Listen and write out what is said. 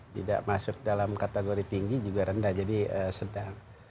tidak masuk dalam kategori tinggi juga rendah jadi sedang